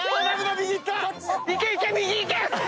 右行け！